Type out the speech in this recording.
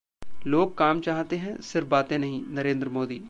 लोग काम चाहते हैं, सिर्फ बातें नहीं: नरेंद्र मोदी